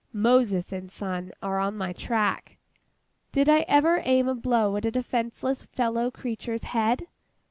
MOSES and SON are on my track. Did I ever aim a blow at a defenceless fellow creature's head?